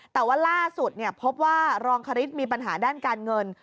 แต่ว่าล่าสุดพบว่ารองคริสมีปัญหาด้านการเงิน